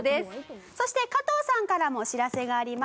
そして加藤さんからもお知らせがあります。